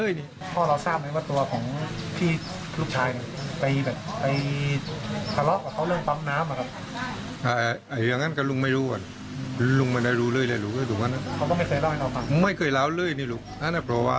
อย่างนั้นก็ลุงไม่รู้ว่ะลุงไม่ได้รู้เลยเลยลูกเหรอครับ